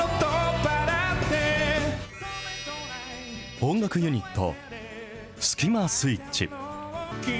音楽ユニット、スキマスイッチ。